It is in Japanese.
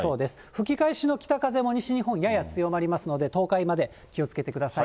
吹き返しの北風も西日本、やや強まりますので、東海まで気をつけてください。